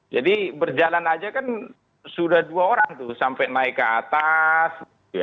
jadi berjalan aja kan sudah dua orang tuh sampai naik ke atas